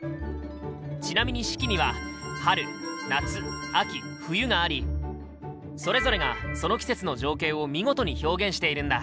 ちなみに「四季」には春夏秋冬がありそれぞれがその季節の情景を見事に表現しているんだ。